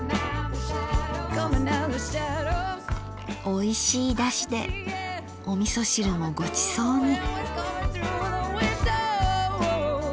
おいしいだしでおみそ汁もごちそうに。